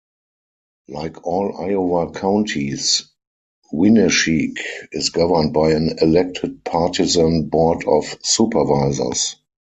Like all Iowa counties, Winneshiek is governed by an elected partisan Board of Supervisors.